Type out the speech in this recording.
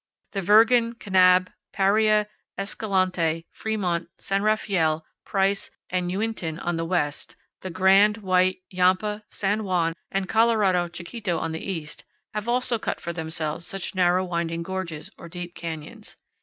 The Virgen, Kanab, Paria, Escalante, Fremont, San Rafael, Price, and Uinta on the west, the Grand, White, Yampa, San Juan, and Colorado Chiquito on the east, have also cut for themselves such narrow winding gorges, or deep canyons.